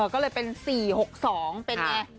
ก็เลยเป็น๔๖๒เป็นไง